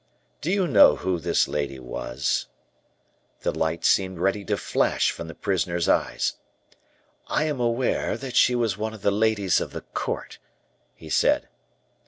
"Do you know who this lady was?" The light seemed ready to flash from the prisoner's eyes. "I am aware that she was one of the ladies of the court," he said.